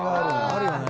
あるよね。